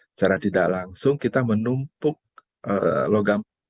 secara tidak langsung kita menumpuk logam